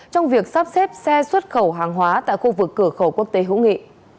trong việc sắp xếp xe xuất khẩu hàng hóa tại khu vực cửa khẩu quốc tế hữu nghị